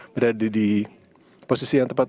berada di posisi yang tepat